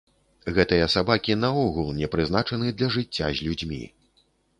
Гэтыя сабакі наогул не прызначаны для жыцця з людзьмі.